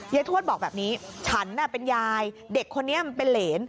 ยายทวดบอกแบบนี้ฉันเป็นยายเด็กคนนี้เป็นเหรน